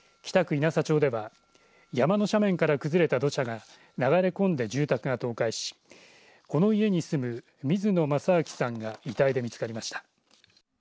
引佐町では山の斜面から崩れた土砂が流れ込んで住宅が倒壊しこの家に住む水野真彰さんが遺体で見つかりました。